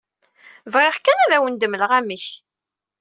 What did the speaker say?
Bɣiɣ kan ad wen-d-mmleɣ amek.